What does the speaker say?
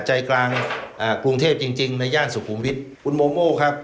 ใจกลางอ่ากรุงเทพจริงจริงในย่านสุขุมวิทย์คุณโมโม่ครับ